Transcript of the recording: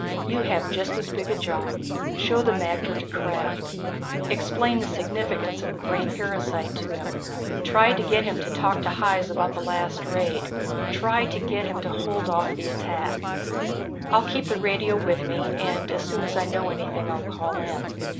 "You have just as big a job. Show the magter to Krafft, explain the significance of the brain parasite to him. Try to get him to talk to Hys about the last raid. Try to get him to hold off the attack. I'll keep the radio with me and as soon as I know anything I'll call in.